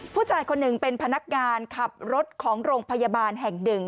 ผู้ชายคนหนึ่งเป็นพนักงานขับรถของโรงพยาบาลแห่งหนึ่ง